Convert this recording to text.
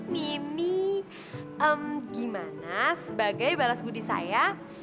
mimi gimana sebagai balas budi saya